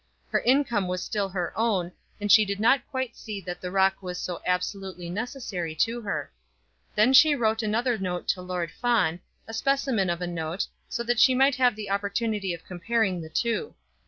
Her income was still her own, and she did not quite see that the rock was so absolutely necessary to her. Then she wrote another note to Lord Fawn, a specimen of a note, so that she might have the opportunity of comparing the two.